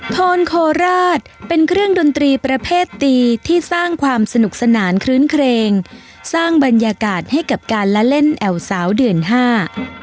พรโคราชเป็นเครื่องดนตรีประเภทตีที่สร้างความสนุกสนานคลื้นเครงสร้างบรรยากาศให้กับการละเล่นแอวสาวเดือนห้า